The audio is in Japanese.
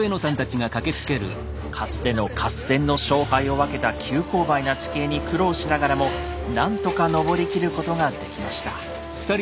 かつての合戦の勝敗を分けた急勾配な地形に苦労しながらも何とか登りきることができました。